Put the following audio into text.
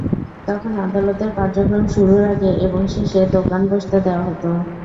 তখন আদালতের কার্যক্রম শুরুর আগে এবং শেষে দোকান বসতে দেওয়া হতো।